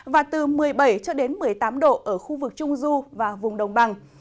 và từ một mươi bảy một mươi tám độ ở khu vực trung du và vùng đồng bằng